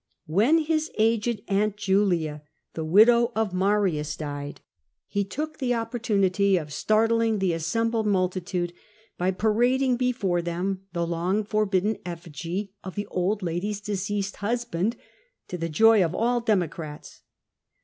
When his aged aunt Julia, the widow of Marius, died, he took the opportunity of startling the assembled multi tude by parading before them the long forbidden efiSgy of the old lady's deceased husband, to the joy of all Democrats.